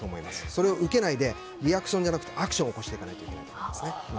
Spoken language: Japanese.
それを受けないでリアクションじゃなくてアクションを起こさないといけないですね。